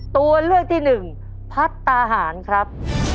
ตัวเลือกที่หนึ่งพัฒนาหารครับ